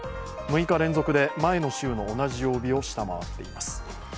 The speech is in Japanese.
６日連続で前の週の同じ曜日を下回っています。